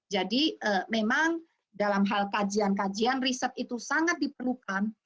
jadi memang dalam hal kajian kajian riset itu sangat diperlukan